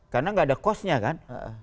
karena gak ada costnya kan